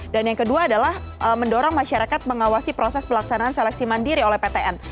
dan yang kedua adalah mendorong masyarakat mengawasi proses pelaksanaan seleksi mandiri oleh ptn